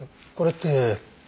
これって。